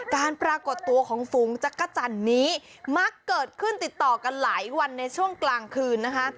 ปรากฏตัวของฝูงจักรจันทร์นี้มักเกิดขึ้นติดต่อกันหลายวันในช่วงกลางคืนนะคะ